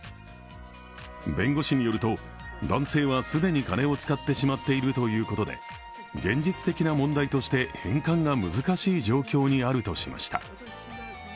弁護士によると男性は既に金を使ってしまっているということで現実的な問題として返還が難しい状況にあるとしました。